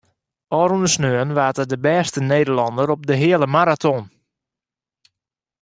Ofrûne saterdei waard er de bêste Nederlanner op de heale maraton.